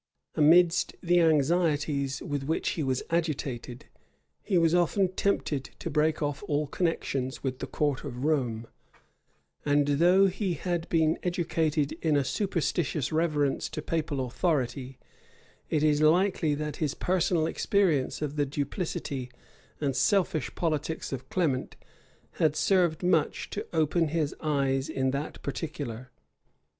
Amidst the anxieties with which he was agitated, he was often tempted to break off all connections with the court of Rome; and though he had been educated in a superstitious reverence to papal authority, it is likely that his personal experience of the duplicity and selfish politics of Clement had served much to open his eyes in that particular.